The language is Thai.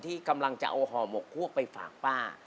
ที่กำลังจะกำลังจะโอ่ห่อหมวกหวกไปฝากป้า